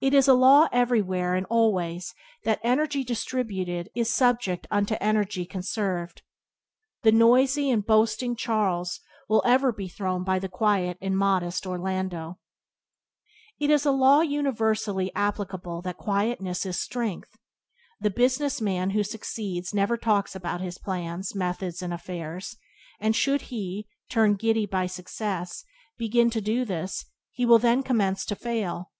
It is a law everywhere and always that energy distributed is subject unto energy conserved. The noisy and boasting Charles will ever be thrown by the quiet and modest Orlando. It is a law universally applicable that quietness is strength. The business man who succeeds never talks about his plans, methods, and affairs, and should he, turned giddy by success, Byways to Blessedness by James Allen 53 begin to do this he will then commence to fail.